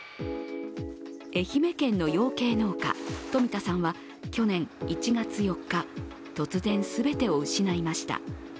愛媛県の養鶏農家、冨田さんは去年１月４日、突然、全てを失いました。